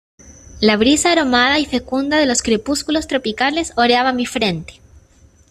la brisa aromada y fecunda de los crepúsculos tropicales oreaba mi frente.